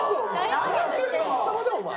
何様だお前。